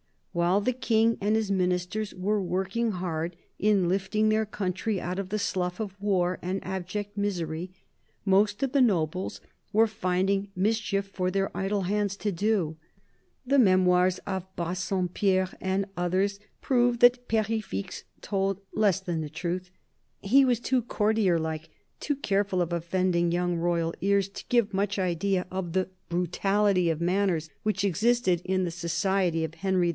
While the King and his ministers were working hard in lifting their country out of the slough of war and abject misery, most of the nobles were finding mischief for their idle hands to do. The Memoirs of Bassompierre and others prove that Perefixe told less than the truth : he was too courtier like, too careful of offending young royal ears, to give much idea of the brutality of manners which existed in the society of Henry IV.